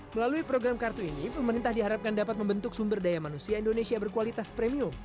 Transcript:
melalui program kartu ini pemerintah diharapkan dapat membentuk sumber daya manusia indonesia berkualitas premium